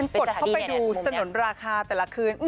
กดเข้าไปดูสนุนราคาแต่ละคืน